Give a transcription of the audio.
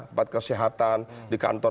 di bad kesehatan di kantor